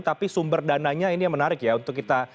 tapi sumber dananya ini yang menarik ya untuk kita